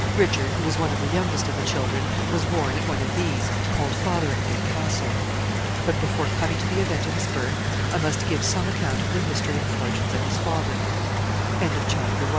Richard, who was one of the youngest of the children, was born at one of these, called Fotheringay Castle; but, before coming to the event of his birth, I must give some account of the history and fortunes of his father. CHAPTER II.